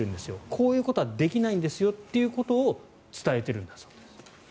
こういうことはできないんですよということを伝えているんです。